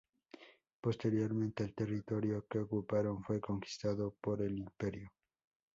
Posteriormente, el territorio que ocuparon fue conquistado por el Imperio.